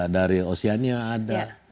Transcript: dari oceania ada